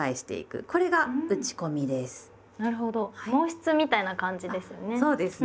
毛筆みたいな感じですね。